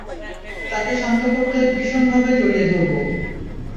তাকে শান্ত করতে ভীষণভাবে জড়িয়ে ধরব।